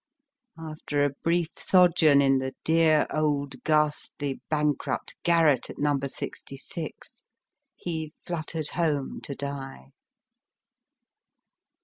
After a brief sojourn in the dear old ghastly bankrupt garret at No. 66, he fluttered home tojiie.